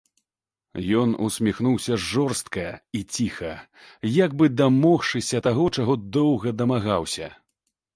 Ён усміхнуўся жорстка і ціха, як бы дамогшыся таго, чаго доўга дамагаўся.